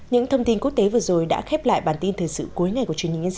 những thông tin quốc tế vừa rồi đã khép lại bản tin thời sự cuối ngày của truyền hình nhân dân